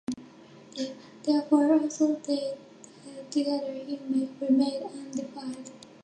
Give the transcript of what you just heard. Therefore, although they dwelt together, he remained 'undefiled'.